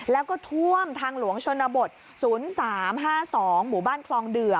แล้วก็ท่วมทางหลวงชนบท๐๓๕๒หมู่บ้านคลองเดือ